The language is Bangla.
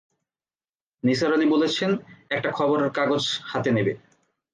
নিসার আলি বলেছেন, একটা খবরের কাগজ হাতে নেবে।